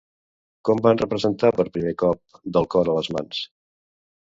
Quan van representar per primer cop Del cor a les mans?